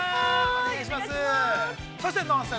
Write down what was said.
お願いします。